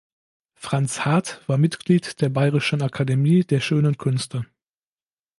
Franz Hart war Mitglied der Bayerischen Akademie der Schönen Künste.